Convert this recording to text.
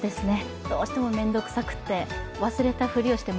どうしても面倒くさくて忘れたふりをして